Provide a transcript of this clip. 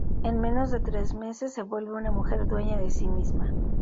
En menos de tres meses se vuelve una mujer dueña de sí misma.